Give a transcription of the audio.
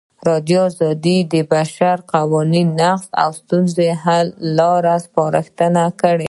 ازادي راډیو د د بشري حقونو نقض د ستونزو حل لارې سپارښتنې کړي.